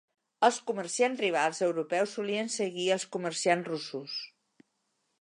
Els comerciants rivals europeus solien seguir els comerciants russos.